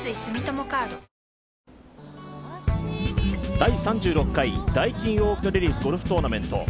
第３６回ダイキンオーキッドレディスゴルフトーナメント。